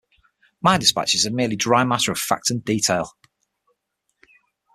My dispatches are merely dry matter of fact and detail.